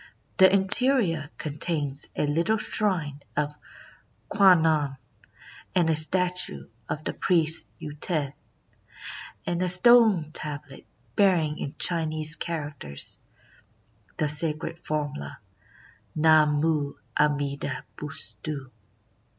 The interior contains a little shrine of Kwan non, and a statue of the priest Yuten, and a stone tablet bearing in Chinese characters the sacred formula, Namu Amida Butsu.